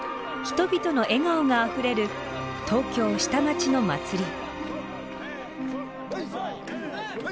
人々の笑顔があふれる東京下町の祭り。